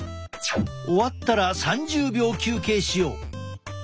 終わったら３０秒休憩しよう。